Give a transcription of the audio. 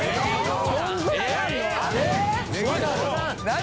何？